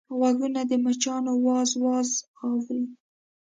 غوږونه د مچانو واز واز اوري